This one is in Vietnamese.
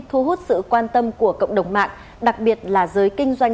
thu hút sự quan tâm của cộng đồng mạng đặc biệt là giới kinh doanh